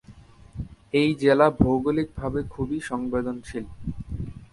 এই জেলা ভৌগোলিকভাবে খুবই সংবেদনশীল।